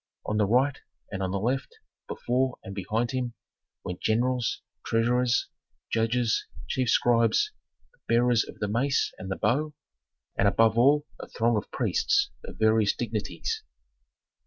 On the right, and on the left, before and behind him, went generals, treasurers, judges, chief scribes, the bearers of the mace and the bow, and above all a throng of priests of various dignities.